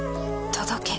届け。